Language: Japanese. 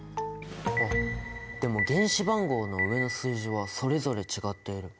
あっでも原子番号の上の数字はそれぞれ違っている。